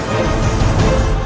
aku akan menangkan gusti ratu